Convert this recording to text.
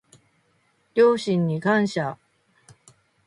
両親に感謝